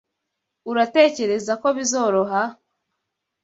Uratekereza ko bizoroha?